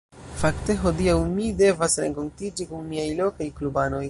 Fakte hodiaŭ mi devas renkontiĝi kun miaj lokaj klubanoj.